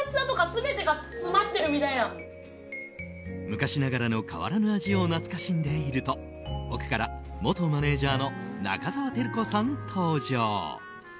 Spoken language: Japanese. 昔ながらの変わらぬ味を懐かしんでいると奥から元マネジャーの中澤照子さん登場。